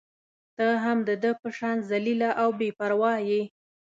ته هم د ده په شان ذلیله او بې پرواه يې.